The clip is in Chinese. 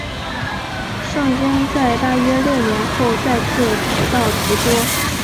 圣经在大约六年后再次提到提多。